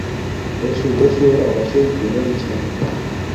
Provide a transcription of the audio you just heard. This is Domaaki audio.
اݺ سُبݸشݸ اَبَشݵئ کُنَلݵ چھݳ.